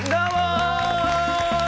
どうも！